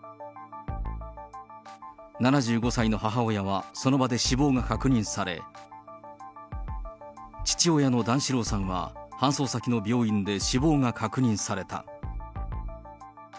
７５歳の母親は、その場で死亡が確認され、父親の段四郎さんは搬送先の病院で死亡が確認された。